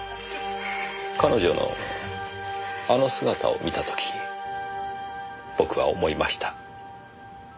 彼女のあの姿を見た時僕は思いました。